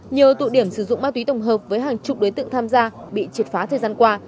nhiều tụ điểm sử dụng ma túy tổng hợp với hàng chục đối tượng tham gia bị triệt phá thời gian qua